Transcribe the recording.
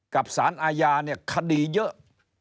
กับสารอาญาเนี่ยคดีเยอะ